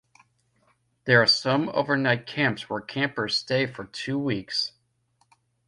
There are some overnight camps where campers stay for two weeks.